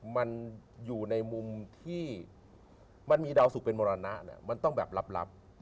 มันอยู่ในมุมที่มันมีดาวสุกเป็นมรณะมันต้องแบบลับ